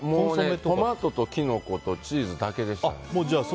トマトとキノコとチーズだけでしたね。